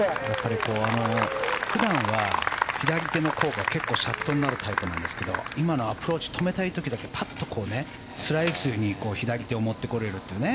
普段は左手の甲が結構シャフトになるタイプなんですけど今のアプローチ止めたい時だけパットスライスに左手を持ってこれるというね。